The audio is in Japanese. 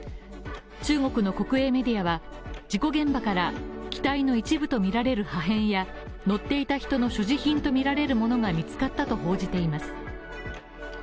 中国の国営メディアは、事故現場から機体の一部とみられる破片や、乗っていた人の所持品とみられるものが見つかったと報じています。